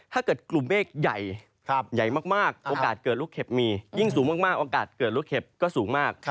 ถ้าเกิดกลุ่มเมฆใหญ่มากโอกาสเกิดลูกเห็บมียิ่งสูงมากโอกาสเกิดลูกเห็บก็สูงมาก